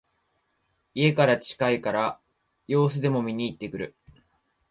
家から近いから様子でも見にいってくる